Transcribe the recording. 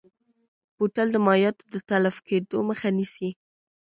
بوتل د مایعاتو د تلف کیدو مخه نیسي.